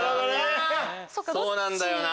そうなんだよな